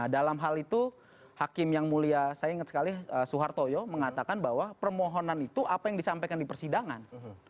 dalam hal itu hakim yang mulia saya ingat sekali suhartoyo mengatakan bahwa permohonan itu apa yang disampaikan di persidangan